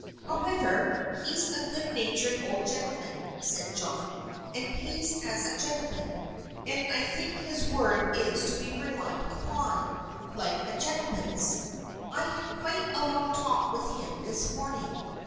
"However, he's a good natured old gentleman," said John, "and pays as a gentleman, and I think his word is to be relied upon, like a gentleman's. I had quite a long talk with him this morning.